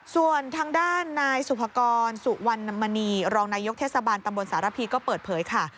ส่วนทางด้านนายสุภกรสุวรรณมณีรองนายกเทศบาลตำบลสารพีก็เปิดเผยค่ะ